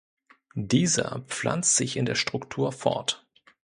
Dieser pflanzt sich in der Struktur fort.